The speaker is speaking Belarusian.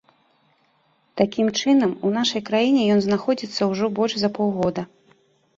Такім чынам, у нашай краіне ён знаходзіцца ўжо больш за паўгода.